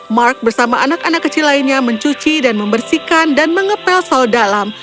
mark bersama anak anak kecil lainnya mencuci dan membersihkan dan mengepel sal dalam